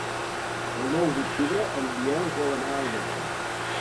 El nou d'octubre en Biel vol anar al metge.